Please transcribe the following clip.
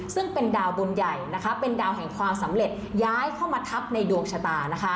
ซึ่งเป็นดาวบุญใหญ่เป็นดาวแห่งความสำเร็จย้ายเข้ามาทับในดวงชะตา